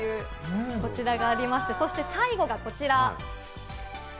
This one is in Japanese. こちらがありまして、そして最後がこちら！